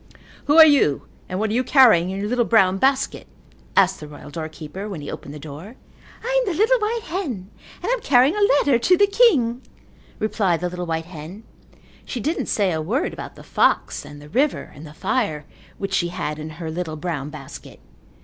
"Who are you and what are you carrying in your little brown basket?" asked the royal doorkeeper when he opened the door. "I am the little white hen and I am carrying a letter to the king," replied the little white hen. She didn't say a word about the fox and the river and the fire which she had in her little brown basket.